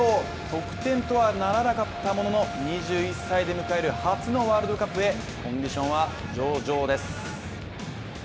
得点とはならなかったものの２１歳で迎える初のワールドカップへコンディションは上々です。